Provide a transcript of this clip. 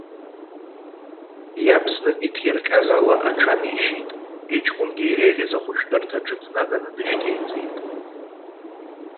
Иаб знык иҭирҟьаз ала аҽан ишьит, иҷкәынгьы иреиӷьыз ахәшәтәырҭаҿы днаганы дышьҭеиҵеит.